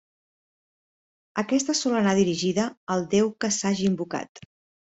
Aquesta sol anar dirigida al deu que s'hagi invocat.